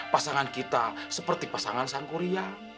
pasangan kita seperti pasangan sang kuria